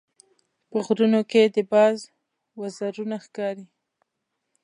په غرونو کې د باز وزرونه ښکاري.